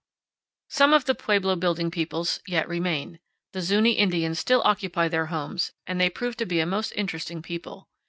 Some of the pueblo building peoples yet remain. The Zuñi Indians still occupy their homes, and they prove to be a most interesting people.